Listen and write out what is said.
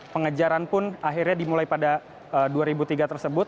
pengejaran pun akhirnya dimulai pada dua ribu tiga tersebut